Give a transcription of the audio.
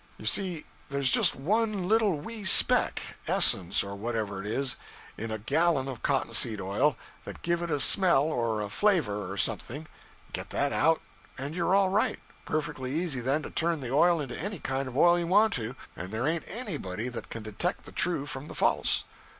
You see, there's just one little wee speck, essence, or whatever it is, in a gallon of cotton seed oil, that give it a smell, or a flavor, or something get that out, and you're all right perfectly easy then to turn the oil into any kind of oil you want to, and there ain't anybody that can detect the true from the false.